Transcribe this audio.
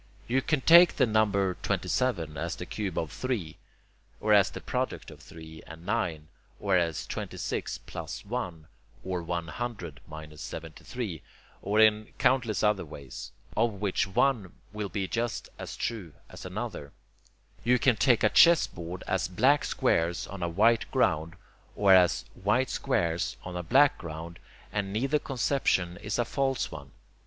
You can take the number 27 as the cube of 3, or as the product of 3 and 9, or as 26 PLUS 1, or 100 MINUS 73, or in countless other ways, of which one will be just as true as another. You can take a chessboard as black squares on a white ground, or as white squares on a black ground, and neither conception is a false one.